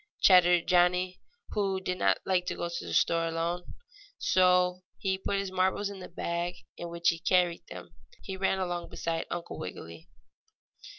chattered Johnnie, who did not like to go to the store alone. So, putting his marbles in the bag in which he carried them, he ran along beside Uncle Wiggily.